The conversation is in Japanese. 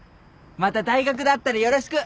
また大学で会ったらよろしく。